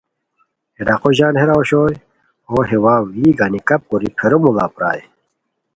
ہے ڈاقو ژان ہیرا اوشوئے ہو ہے واؤ یی گانی کپ کوری پھیرو موڑا پرائے